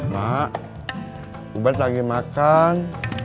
mak ubat lagi makan